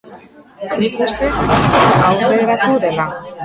Nik uste, asko aurreratu dela.